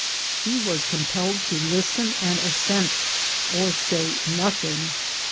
He was compelled to listen and assent, or say nothing.